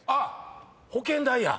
「保険代」や。